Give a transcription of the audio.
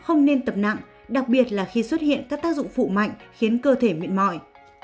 không nên tập nặng đặc biệt là khi xuất hiện các tác dụng phụ mạnh khiến cơ thể mệt mỏi